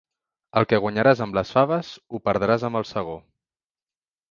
El que guanyaràs amb les faves, ho perdràs amb el segó.